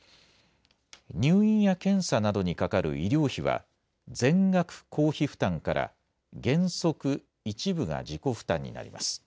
入院や検査などにかかる医療費は、全額公費負担から、原則、一部が自己負担になります。